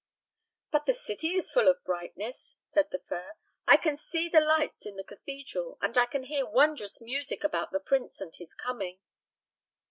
"But the city is full of brightness," said the fir. "I can see the lights in the cathedral, and I can hear wondrous music about the prince and his coming."